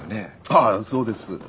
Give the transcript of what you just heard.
ああそうです。